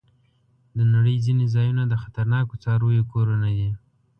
د نړۍ ځینې ځایونه د خطرناکو څارويو کورونه دي.